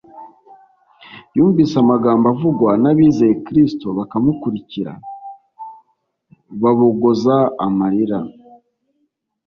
yumvise amagambo avugwa n’abizeye kristo, bakamukurikira babogoza amarira